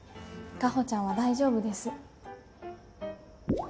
夏帆ちゃんは大丈夫です。